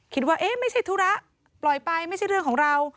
คิดว่าเอ๊ะไม่ใช่ธุระปล่อยไปไม่ใช่เรื่องของเรา